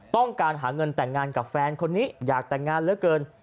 ต้องการหาเงินแต่งงานกับแฟนคนนี้อยากแต่งงานเหลือเกิน